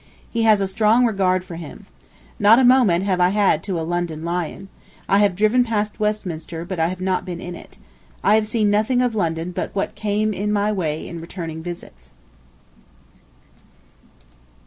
He has a strong regard for him. ... Not a moment have I had to a London "lion." I have driven past Westminster, but have not been in it. I have seen nothing of London but what came in my way in returning visits.